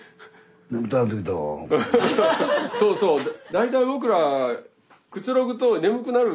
大体僕らくつろぐと眠くなる。